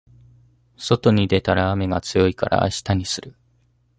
外に出たら雨が強いから明日にする